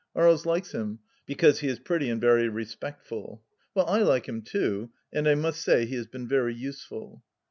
Aries likes him, because he is pretty and very respectful. Well, I like him too, and I must say he has been very useful.